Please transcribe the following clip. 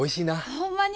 ほんまに？